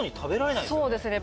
そうですね